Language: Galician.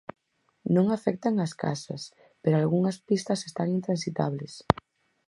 Non afectan ás casas, pero algunhas pistas están intransitables.